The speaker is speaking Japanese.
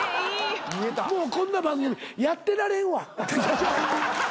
もうこんな番組やってられんわ。